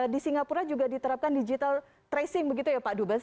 di singapura juga diterapkan digital tracing pak dubes